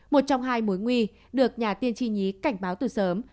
một trong hai mối nguy được nhà tiên tri nhí cảnh báo từ sớm